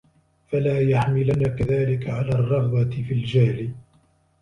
فَلَا يَحْمِلَنَّكَ ذَلِكَ عَلَى الرَّغْبَةِ فِي الْجَهْلِ